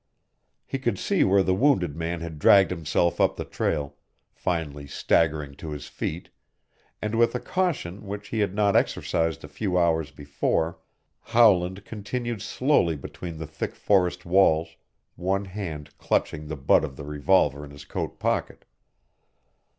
He could see where the wounded man had dragged himself up the trail, finally staggering to his feet, and with a caution which he had not exercised a few hours before Howland continued slowly between the thick forest walls, one hand clutching the butt of the revolver in his coat pocket.